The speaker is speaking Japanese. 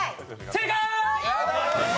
正解！